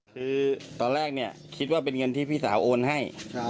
คือตอนแรกเนี่ยคิดว่าเป็นเงินที่พี่สาวโอนให้